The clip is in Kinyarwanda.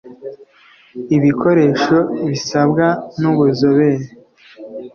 ibikoresho bisabwa n ubuzobere